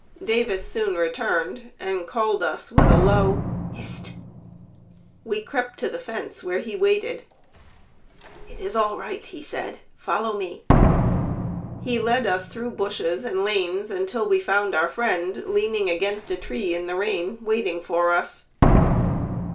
Davis soon returned, and called us with a low "Hist!" We crept to the fence where he waited. "It is all right," he said; "follow me." He led us through bushes and lanes until we found our friend, leaning against a tree in the rain, waiting for us.